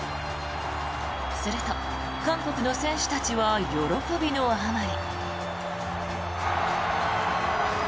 すると、韓国の選手たちは喜びのあまり。